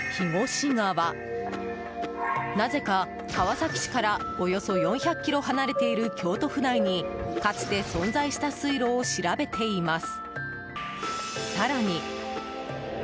［なぜか川崎市からおよそ４００ｋｍ離れている京都府内にかつて存在した水路を調べています］